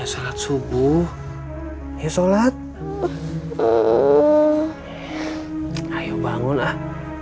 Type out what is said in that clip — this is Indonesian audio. kita shalat berjamaah sama ibu sama bapak